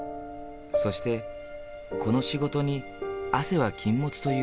そしてこの仕事に汗は禁物と言う。